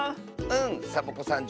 うんサボ子さん